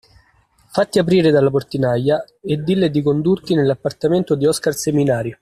Fatti aprire dalla portinaia e dille di condurti nell'appartamento di Oscar Seminari.